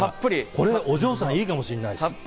これはお嬢さん、いいかもしれない。